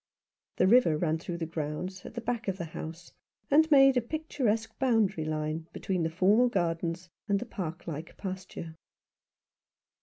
The river ran through the grounds, at the back of the house, and made a picturesque boundary line between the formal gardens and the park like pasture.